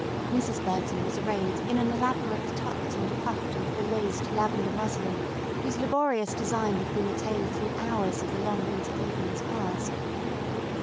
Mrs. Burton was arrayed in an elaborate tucked and puffed and belaced lavender muslin whose laborious design had been attained through hours of the long winter evenings past.